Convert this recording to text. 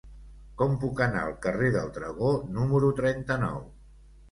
Com puc anar al carrer del Dragó número trenta-nou?